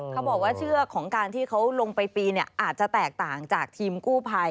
เขาบอกว่าเชือกของการที่เขาลงไปปีนอาจจะแตกต่างจากทีมกู้ภัย